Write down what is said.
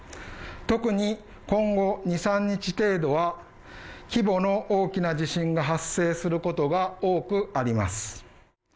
特に、今後二、三日程度は、規模の大きな地震が発生することが多くあります。